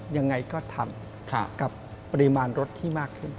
ยังไงก็ทำกับปริมาณรถที่มากขึ้น